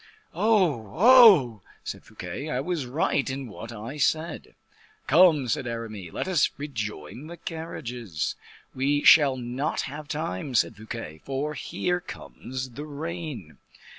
"Oh, oh!" said Fouquet, "I was quite right in what I said." "Come," said Aramis, "let us rejoin the carriages." "We shall not have time," said Fouquet, "for here comes the rain."